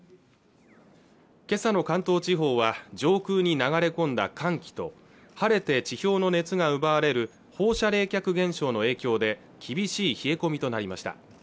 今朝の関東地方は上空に流れ込んだ寒気と晴れて地表の熱が奪われる放射冷却現象の影響で厳しい冷え込みとなりました